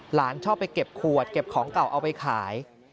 หลานชอบไปเก็บขวดเก็บของเก่าเอาไปขาย